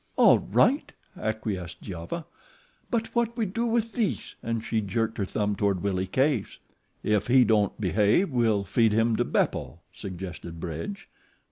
"All right," acquiesced Giova; "but what we do with this?" and she jerked her thumb toward Willie Case. "If he don't behave we'll feed him to Beppo," suggested Bridge.